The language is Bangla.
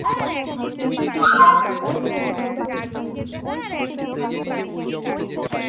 লি নাসেরের রেকর্ড, লন্ডন রেকর্ড সব ভেঙে ফেলেছে!